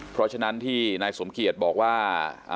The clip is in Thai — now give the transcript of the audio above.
เพราะฉะนั้นที่นายสมเกียจบอกว่า